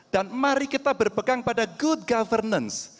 dan mari kita berpegang pada good governance